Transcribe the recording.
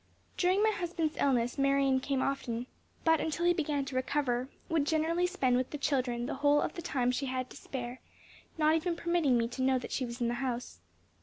During my husband's illness, Marion came often, but, until he began to recover, would generally spend with the children the whole of the time she had to spare, not even permitting me to know that she was in the house.